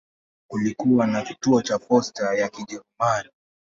Kulikuwa na kituo cha posta ya Kijerumani.